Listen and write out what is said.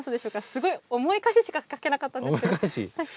すごい重い歌詞しか書けなかったんですけど。